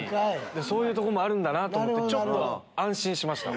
そういうとこもあるんだと思ってちょっと安心しました。